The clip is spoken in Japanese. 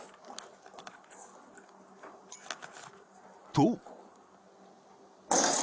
［と］